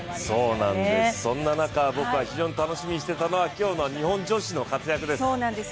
そんな中僕が非常に楽しみにしてたのは今日の日本人女子の活躍です。